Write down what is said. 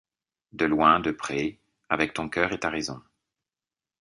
De loin, de près, avec ton cœur et ta raison